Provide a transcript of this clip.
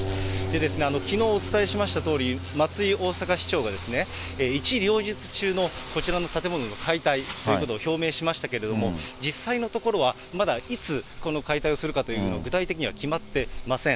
で、きのうお伝えしましたとおり、松井大阪市長が、一両日中のこちらの建物の解体ということを表明しましたけれども、実際のところはまだ、いつ、この解体をするのかということは、具体的には決まってません。